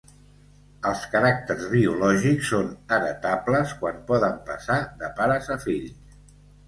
Els caràcters biològics són heretables quan poden passar de pares a fills.